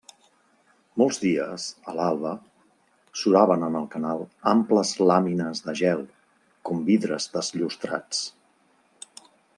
Molts dies, a l'alba, suraven en el canal amples làmines de gel, com vidres desllustrats.